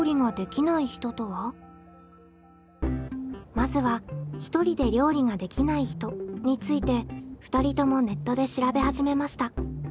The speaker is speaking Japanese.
まずはひとりで料理ができない人について２人ともネットで調べ始めました。